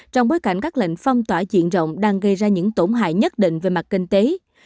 trong bối cảnh các lệnh phong tỏa diện rộng đang gây ra những tổn hại nhất định về mặt kinh tế